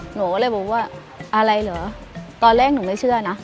หนูก็เลยบอกว่าอะไรเหรอตอนแรกหนูไม่เชื่อนะ